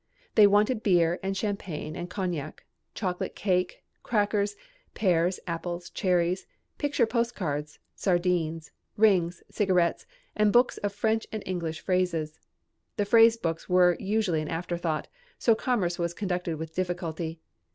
They wanted beer and champagne and cognac, chocolate, cake, crackers, pears, apples, cherries, picture postcards, sardines, rings, cigarettes, and books of French and English phrases. The phrase books were usually an afterthought, so commerce was conducted with difficulty.